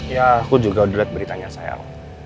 ya aku juga udah liat beritanya sayang